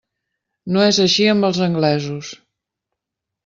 No és així amb els anglesos.